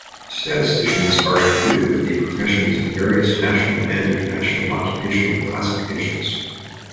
Statisticians are included with the professions in various national and international occupational classifications.